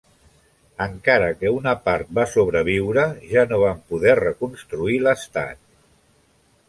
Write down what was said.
Encara que una part va sobreviure, ja no van poder reconstruir l'estat.